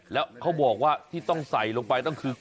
แล้วเขาบอกว่าที่ต้องใส่ลงไปต้องคือ